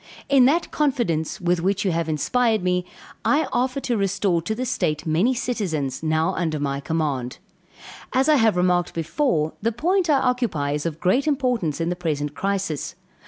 In that confidence, with which you have inspired me, I offer to restore to the state many citizens, now under my command. As I have remarked before, the point I occupy is of great importance in the present crisis.